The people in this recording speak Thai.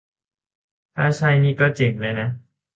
ถ้าใช่นี่ก็เจ๋งเลยนะ